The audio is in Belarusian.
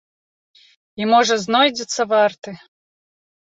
І, можа, знойдзецца варты!